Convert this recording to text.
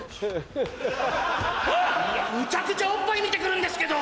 むちゃくちゃおっぱい見て来るんですけど！